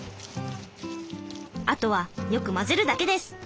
あとはよく混ぜるだけです！